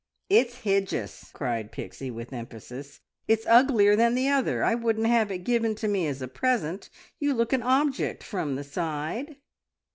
"It's hidjus!" cried Pixie with emphasis. "It's uglier than the other. I wouldn't have it given to me as a present. You look an object from the side!"